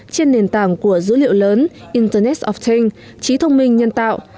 trên nền tảng của dữ liệu lớn internet of things trí thông minh nhân tạo